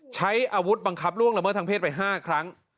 ใช้อาวุธบังคับล่วงละเมิดทางเพศไป๕ครั้ง